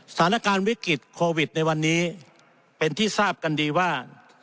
สถานการณ์วิกฤตโควิดในวันนี้เป็นที่ทราบกันดีว่า